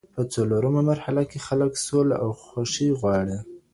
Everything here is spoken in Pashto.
په څلورمه مرحله کي خلګ سوله او خوښي غواړي.